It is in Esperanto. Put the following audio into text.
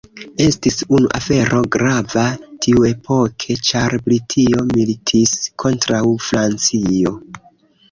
Estis unu afero grava tiuepoke ĉar Britio militis kontraŭ Francio.